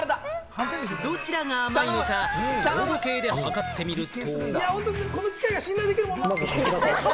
どちらが甘いのか糖度計で測ってみると。